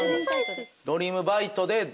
『ドリームバイト！』で？